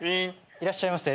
いらっしゃいませ。